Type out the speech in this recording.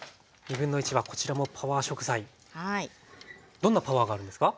どんなパワーがあるんですか？